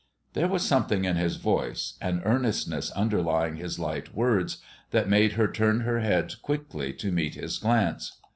There was something in his voice, an earnestness underlying his light words, that made her turn her head quickly to meet his glance.